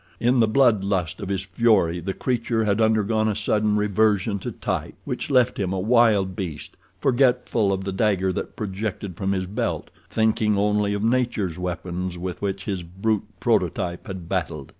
In the blood lust of his fury the creature had undergone a sudden reversion to type, which left him a wild beast, forgetful of the dagger that projected from his belt—thinking only of nature's weapons with which his brute prototype had battled.